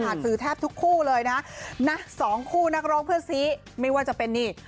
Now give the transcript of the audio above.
สื่อแทบทุกคู่เลยนะสองคู่นักร้องเพื่อนซีไม่ว่าจะเป็นนี่